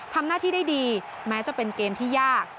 ทำหน้าที่ได้ดีแม้จะเป็นเกมที่ยาก